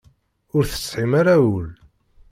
Ur tesɛim ara ul.